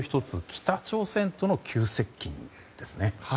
北朝鮮との急接近ですね。